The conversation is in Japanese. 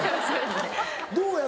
どうや？